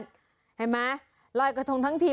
เห็นไหมลอยกระทงทั้งที